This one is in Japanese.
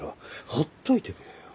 ほっといてくれよ。